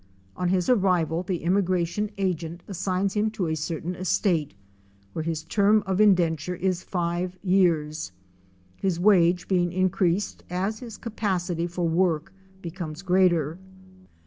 On his arrival the immigration agent assigns him to a certain estate, where his term of indenture is five years, his wage being increased as his capacity for work becomes greater.